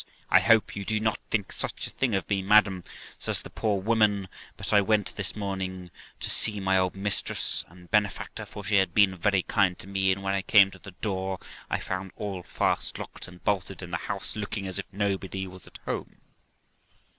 'I hope you do not think such a thing of me, madam,' says the poor woman; 'but I went this morning to , to see my old mistress and benefactor, for she had been very kind to me, and when I came to the door I found all fast locked and bolted, and the house looking as if nobody was at home.